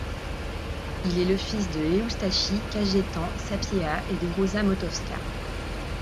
Il est le fils de Eustachy Kajetan Sapieha et de Róża Mostowska.